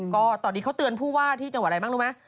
ก็ตอนนี้เขาเตือนผู้ว่าที่จังหวัดอะไรบ้างรู้ไหม